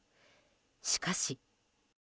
しかし。